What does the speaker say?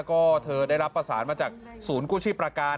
คุณได้รับประสานมาจากศูนย์กุชิประการ